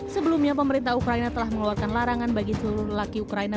sebelumnya pemerintah ukraina telah mengeluarkan larangan bagi seluruh lelaki ukraina